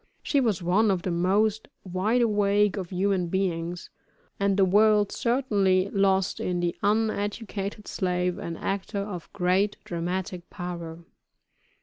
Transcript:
She was one of the most wide awake of human beings, and the world certainly lost in the uneducated slave, an actor of great dramatic power.